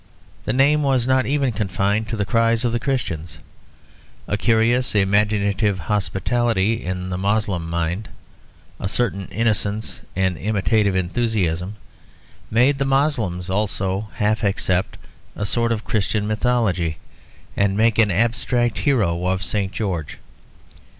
The name was not even confined to the cries of the Christians; a curious imaginative hospitality in the Moslem mind, a certain innocent and imitative enthusiasm, made the Moslems also half accept a sort of Christian mythology, and make an abstract hero of St. George.